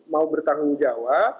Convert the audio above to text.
mau bertanggung jawab